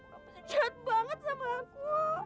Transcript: kamu bisa jahat banget sama aku